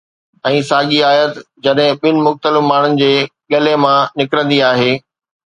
۽ ساڳي آيت جڏهن ٻن مختلف ماڻهن جي ڳلي مان نڪرندي آهي